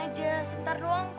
ini yang harus diberikan pak